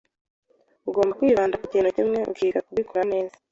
Ugomba kwibanda kukintu kimwe ukiga kubikora neza.